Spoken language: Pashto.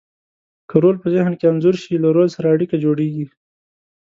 که رول په ذهن کې انځور شي، له رول سره اړیکه جوړیږي.